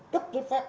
cấp giấy phép